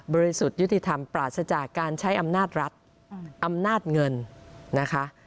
สุทธิ์ยุติธรรมปราศจากการใช้อำนาจรัฐอำนาจเงินนะคะ